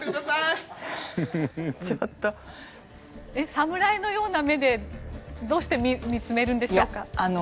侍のような目でどうして見つめるんでしょうか。